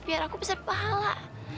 biar aku bisa berpahala